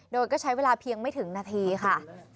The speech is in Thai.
โดยก็ใช้เวลาเพียงไม่ถึงนาทีค่ะ